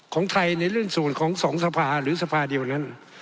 ของไทยในเรื่องส่วนของสองสภาหรือสภาเดียวนั้น